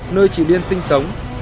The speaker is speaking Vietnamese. nơi chị liên sinh sống